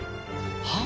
はあ？